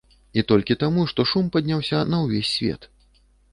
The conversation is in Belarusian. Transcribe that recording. І толькі таму, што шум падняўся на ўвесь свет.